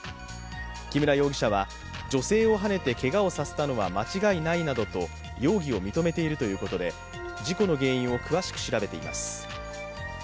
木村容疑者は、女性をはねてけがをさせたのは間違いないなどと容疑を認めているということで、事故の原因を詳しく調べています。